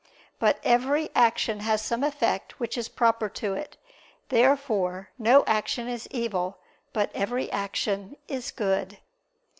But every action has some effect which is proper to it. Therefore no action is evil, but every action is good.